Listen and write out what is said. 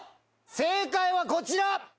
正解はこちら！